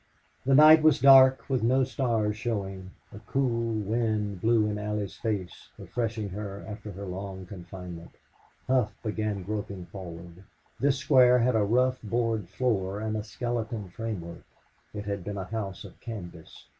The night was dark, with no stars showing. A cool wind blew in Allie's face, refreshing her after her long confinement. Hough began groping forward. This square had a rough board floor and a skeleton framework. It had been a house of canvas.